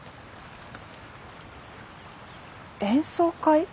演奏会？